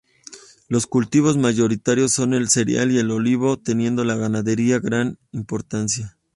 Los cultivos mayoritarios son el cereal y el olivo teniendo la ganadería gran importancia.